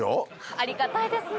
ありがたいですね。